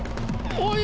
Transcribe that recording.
おい！